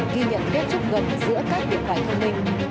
khi nhận kết chúc gần giữa các điện thoại thông minh